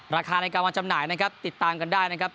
ราคาในการมาจำหน่ายนะครับติดตามกันได้นะครับ